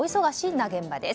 な現場です。